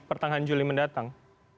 pertangahan juli mendatang